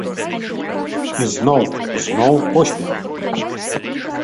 І зноў, зноў поспех.